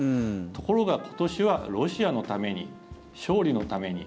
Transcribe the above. ところが、今年はロシアのために、勝利のために。